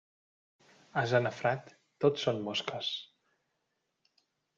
Ase nafrat, tot són mosques.